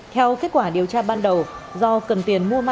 theo kết quả điều tra ban đầu do cần tiền mua ma túy